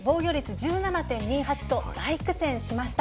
１７．２８と大苦戦しました。